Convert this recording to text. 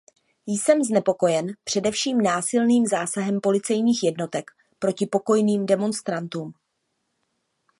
Jsem znepokojen především násilným zásahem policejních jednotek proti pokojným demonstrantům.